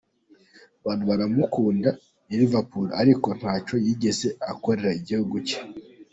Abantu baramukunda i Liverpool ariko ntaco yigeze akorera igihugu ciwe.